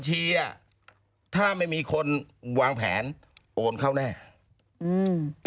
คือถ้าไม่เจอเส้นทางการเงินปกติ